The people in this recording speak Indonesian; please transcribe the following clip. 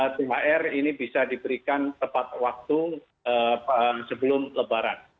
thr ini bisa diberikan tepat waktu sebelum lebaran